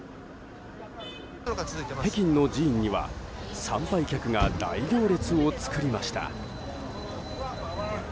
北京の寺院には参拝客が大行列を作りました。